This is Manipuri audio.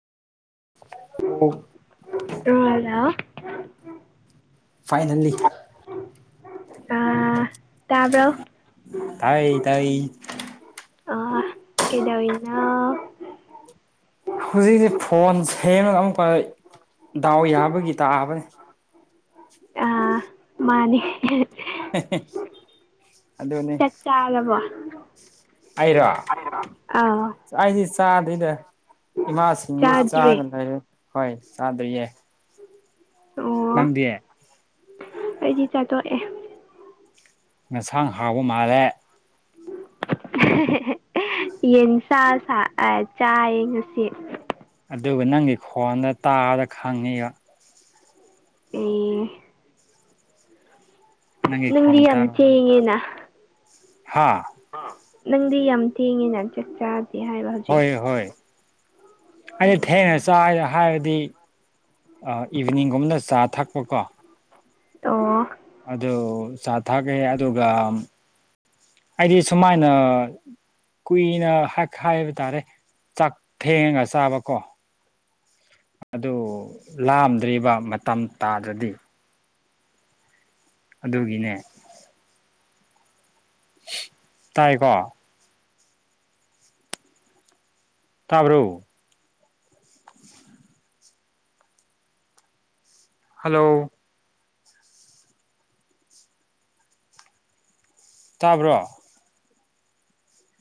ꯑꫭ [unintelligible] ꯐꯥꯏꯅꯜꯂꯤ꯫ ꯑꯥ ꯇꯥꯕ꯭ꯔꯣ꯫ ꯇꯥꯏ ꯇꯥꯏ꯫ ꯑ ꯀꯩꯗꯧꯏꯅꯣ꯫ ꯍꯧꯖꯤꯛꯁꯦ ꯐꯣꯟ ꯁꯦꯝꯃꯒ ꯑꯃꯨꯛꯀ ꯗꯥꯎ ꯌꯥꯕꯒꯤ ꯇꯥꯕꯅꯦ꯫ ꯑꯥ ꯃꯥꯅꯦ꯫ ꯍꯦ ꯍꯦ꯫ ꯆꯥꯛ ꯆꯥꯔꯕꯣ꯫ ꯑꯩꯔꯣ ꯑꯥꯎ ꯑꯩꯗꯤ ꯆꯥꯗ꯭ꯔꯤꯗ꯫ ꯏꯃꯥꯁꯤꯡꯗ ꯆꯥꯗ꯭ꯔꯤ ꯆꯥꯔꯒ ꯂꯩꯔꯦ ꯍꯣꯏ ꯆꯥꯗ꯭ꯔꯤꯌꯦ꯫ ꯑꯣ ꯅꯪꯗꯤ꯫ ꯑꯩꯗꯤ ꯆꯥꯇꯣꯛꯑꯦ꯫ ꯉꯁꯥꯡ ꯍꯥꯎꯕ ꯃꯥꯜꯂꯦ꯫ [unintelligible] ꯌꯦꯟꯁꯥ ꯁꯥ ꯑ ꯆꯥꯏꯌꯦ ꯉꯁꯤ꯫ ꯑꯗꯨꯒ ꯅꯪꯒꯤ ꯈꯣꯟꯗ ꯇꯥꯕꯗ ꯈꯪꯉꯤꯕ꯫ [unintelligible] ꯅꯪꯒꯤ ꯅꯪꯗꯤ ꯈꯣꯟ ꯌꯥꯝ ꯊꯦꯡꯉꯦꯅ꯫ ꯍꯥꯥ꯫ ꯅꯪꯗꯤ ꯌꯥꯝ ꯊꯦꯡꯉꯦꯅ ꯆꯥꯛ ꯆꯥꯗꯦ ꯍꯥꯏꯕ꯫ ꯍꯧꯖꯤꯛ ꯍꯣꯏ ꯍꯣꯏ ꯑꯩꯩꯅ ꯊꯦꯡꯅ ꯎꯝ ꯆꯥꯏ ꯍꯥꯏꯔꯗꯤ꯫ ꯑ ꯏꯚꯤꯅꯤꯡꯒꯨꯝꯗ ꯆꯥ ꯊꯛꯄꯀꯣ꯫ ꯑꯣ꯫ ꯑꯗꯨ ꯆꯥ ꯊꯛꯀꯦ ꯑꯗꯨꯒ ꯑꯩꯗꯤ ꯁꯨꯃꯥꯏꯅ꯫ ꯀꯨꯏꯅ ꯍꯛ-ꯍꯥꯏꯕ ꯇꯥꯔꯦ ꯆꯥꯛ ꯊꯦꯡꯉꯒ ꯆꯥꯕꯀꯣ꯫ ꯑꯗꯨ ꯂꯥꯝꯗ꯭ꯔꯤꯕ ꯃꯇꯝ ꯇꯥꯗ꯭ꯔꯗꯤ꯫ ꯑꯗꯨꯒꯤꯅꯦ꯫ ꯇꯥꯏꯀꯣ꯫ ꯇꯥꯕ꯭ꯔꯣ꯫ ꯍꯜꯂꯣ꯫ ꯇꯥꯕ꯭ꯔꯣ꯫